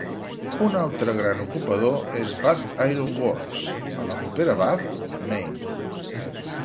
Un altre gran ocupador és Bath Iron Works, a la propera Bath, Maine.